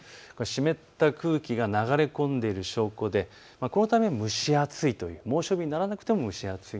湿った空気が流れ込んでいる証拠で、このため蒸し暑いという、猛暑日にならなくても蒸し暑い。